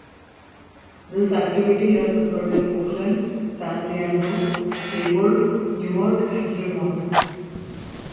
This activity has occurred in Oakland, San Leandro, Hayward, Newark and Fremont.